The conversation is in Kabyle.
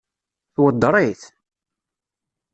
Tweddeṛ-it?